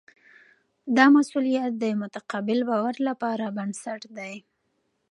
دا مسؤلیت د متقابل باور لپاره بنسټ دی.